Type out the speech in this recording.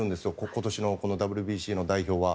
今年のＷＢＣの代表は。